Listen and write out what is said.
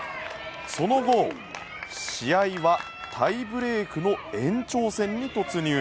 その後、試合はタイブレークの延長戦に突入。